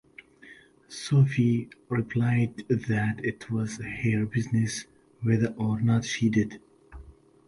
Sophie replied that it was her business whether or not she did.